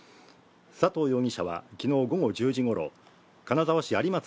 佐藤容疑者はきのう午後１０時ごろ、金沢市有松